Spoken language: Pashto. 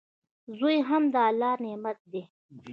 زوی هم د الله نعمت دئ.